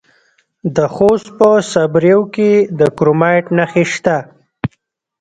د خوست په صبریو کې د کرومایټ نښې شته.